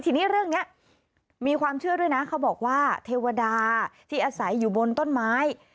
ทีนี้เรื่องนี้มีความเชื่อด้วยนะเขาบอกว่าเทวดาที่อาศัยอยู่บนต้นไม้